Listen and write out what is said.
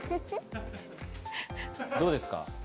どうですか？